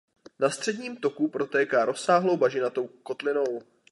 Na středním toku protéká rozsáhlou bažinatou kotlinou.